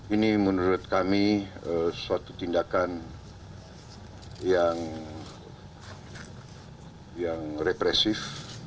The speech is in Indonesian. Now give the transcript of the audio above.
ini menurut kami suatu tindakan yang represif